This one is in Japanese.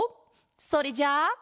それじゃあ。